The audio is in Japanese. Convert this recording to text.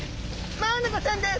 マアナゴちゃんです。